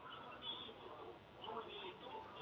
bahwa keseluruhan itu juli itu